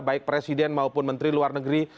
baik presiden maupun menteri luar negeri